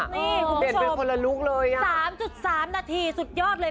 นี่คุณผู้ชม๓๓นาทีสุดยอดเลย